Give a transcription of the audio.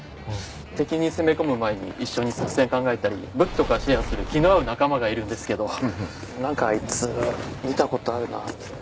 敵に攻め込む前に一緒に作戦考えたり武器とかシェアする気の合う仲間がいるんですけどなんかあいつ見た事あるな。